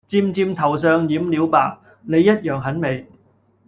漸漸頭上染了白你一樣很美